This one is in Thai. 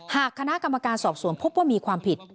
หากคณะกรรมการสอบสวนพบว่ามีความผิด